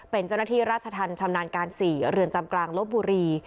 เป็นเจ้าหน้าที่ราชธรรมชำนาญการ๔เรือนจำกลางลบบุรี